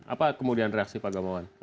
apa kemudian reaksi pak gamawan